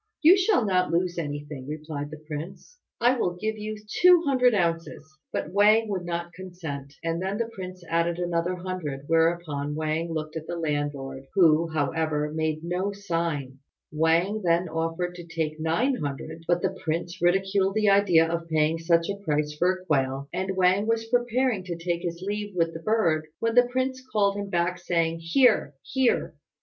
"You shall not lose anything," replied the prince; "I will give you two hundred ounces." But Wang would not consent, and then the prince added another hundred; whereupon Wang looked at the landlord, who, however, made no sign. Wang then offered to take nine hundred; but the prince ridiculed the idea of paying such a price for a quail, and Wang was preparing to take his leave with the bird, when the prince called him back, saying, "Here! here!